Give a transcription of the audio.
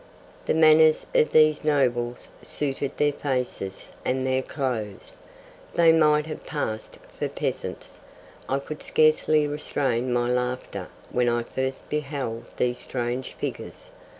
The manners of these nobles suited their faces and their clothes. They might have passed for peasants. I could scarcely restrain my laughter when I first beheld these strange figures.